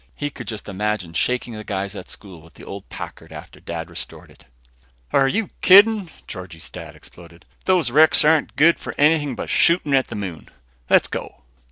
He could just imagine shaking the guys at school with the old Packard, after Dad restored it. "Are you kidding?" Georgie's Dad exploded, "Those wrecks aren't good for anything but shooting at the moon. Let's go."